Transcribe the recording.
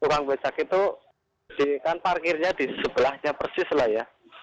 tukang becak itu kan parkirnya di sebelahnya persis lah ya